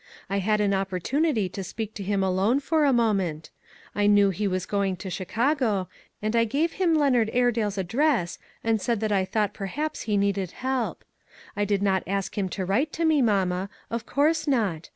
I had an opportunity to speak to him alone for a moment. I knew he was going to Chicago, and I gave him Leonard Airedale's address, and said that I thought perhaps he needed help. I did not ask him to write to me, mamma; of course not.